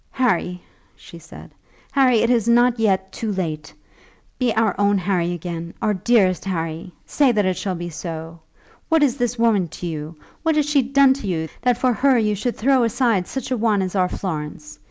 "Harry," she said, "Harry; it is not yet too late. Be our own Harry again; our dearest Harry. Say that it shall be so. What is this woman to you? What has she done for you, that for her you should throw aside such a one as our Florence?